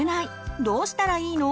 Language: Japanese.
どうしたらいいの？